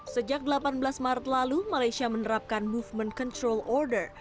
sejak delapan belas maret lalu malaysia menerapkan movement control order